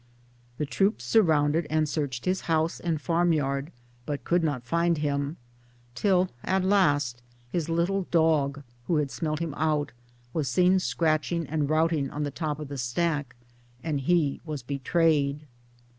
The troops surrounded and searched his house and farm yard, but could not find him^ till at last his little dog (who had smelt him out) was seen scratching and routing on the top of the stack, and he was betrayed